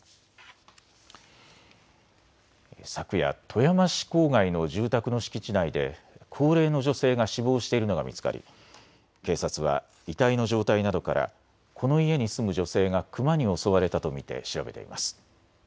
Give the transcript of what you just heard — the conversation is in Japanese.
昨夜、富山市郊外の住宅の敷地内で高齢の女性が死亡しているのが見つかり警察は遺体の状態などからこの家に住む女性がクマに襲われたと見て調べています。